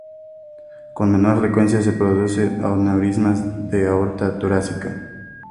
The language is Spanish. Con menor frecuencia se producen los aneurismas de aorta torácica.